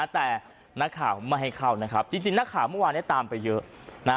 แต่นักข่าวไม่ให้เข้านะครับจริงนักข่าวเมื่อวานตามไปเยอะ